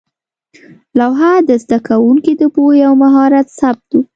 لوحه د زده کوونکو د پوهې او مهارت ثبت وه.